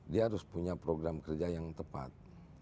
dia harus punya program kerja yang tepat